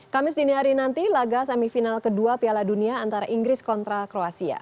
kamis dini hari nanti laga semifinal kedua piala dunia antara inggris kontra kroasia